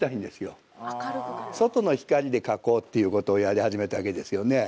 外の光で描こうっていうことをやり始めたわけですよね。